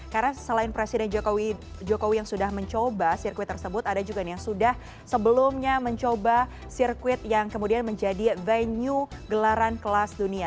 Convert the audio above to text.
karena selain presiden jokowi yang sudah mencoba sirkuit tersebut ada juga yang sudah sebelumnya mencoba sirkuit yang kemudian menjadi venue gelaran kelas dunia